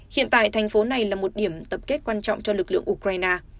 hiện tại thành phố này là một điểm tập kết quan trọng cho lực lượng ukraine